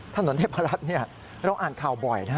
ถนนเทพรัฐเราอ่านข่าวบ่อยนะฮะ